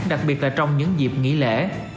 đặc biệt là trong những dịp nghỉ lễ